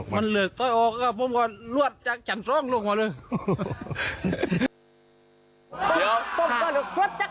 มันเหลือดเท้าให้กลับมานะครับมันเหลือดเท้าให้กลับมานะครับมันเหลือดเท้าให้กลับมานะครับ